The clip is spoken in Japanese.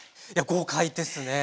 豪快です。